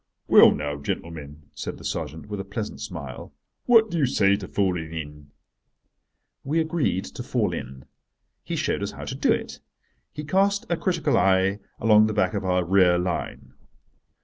"Well, now, gentlemen," said the sergeant, with a pleasant smile, "what do you say to falling in?" We agreed to fall in. He showed us how to do it. He cast a critical eye along the back of our rear line.